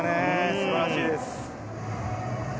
すばらしいです。